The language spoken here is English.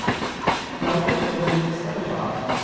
Now it has been said above (Q.